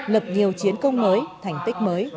lập nhiều chiến công mới thành tích mới